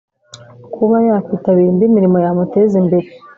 kuba yakwitabira indi mirimo yamuteza imbere.